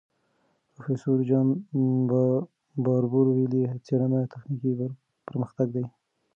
پروفیسور جان باربور ویلي، څېړنه تخنیکي پرمختګ دی.